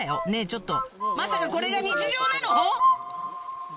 ちょっとまさかこれが日常なの？